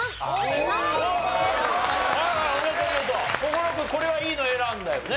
心君これはいいの選んだよね。